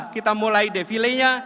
kita mulai defilenya